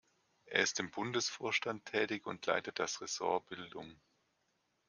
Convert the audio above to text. Er ist im Bundesvorstand tätig und leitet das Ressort Bildung.